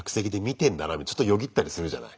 ちょっとよぎったりするじゃない？